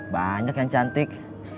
banyak yang cantik